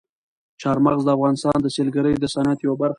چار مغز د افغانستان د سیلګرۍ د صنعت یوه برخه ده.